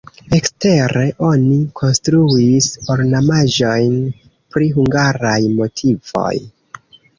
Ekstere oni konstruis ornamaĵojn pri hungaraj motivoj.